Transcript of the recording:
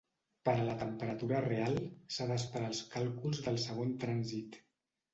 Per a la temperatura real s'ha d'esperar als càlculs del segon trànsit.